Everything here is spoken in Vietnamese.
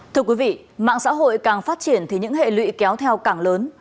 thưa quý vị mạng xã hội càng phát triển thì những hệ lụy kéo theo càng lớn